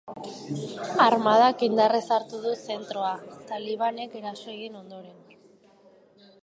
Armadak indarrez hartu du zentroa, talibanek eraso egin ondoren.